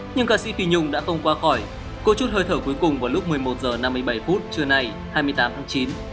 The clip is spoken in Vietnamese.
nhưng ca sĩ pi nhung đã tông qua khỏi cô chút hơi thở cuối cùng vào lúc một mươi một h năm mươi bảy phút trưa nay hai mươi tám tháng chín